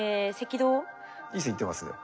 いい線いってますね。